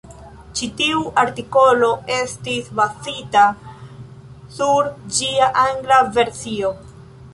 Ĉi tiu artikolo estis bazita sur ĝia angla versio.